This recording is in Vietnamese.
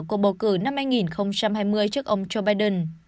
cuộc bầu cử năm hai nghìn hai mươi trước ông joe biden